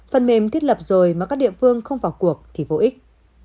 phần mềm thiết lập rồi mà các địa phương không vào cuộc thì vô ích